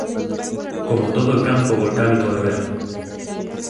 Como todo el campo volcánico de Vera.